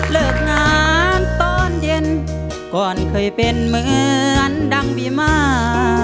เลิกงานตอนเย็นก่อนเคยเป็นเหมือนดังมีมา